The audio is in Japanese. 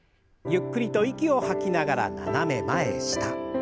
ゆっくりと息を吐きながら斜め前下。